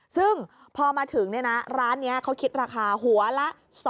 ซึ่งพอมาถึงร้านนี้เขาคิดราคาหัวละ